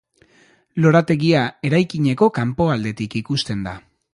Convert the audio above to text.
Lorategia eraikineko kanpoaldetik ikusten da.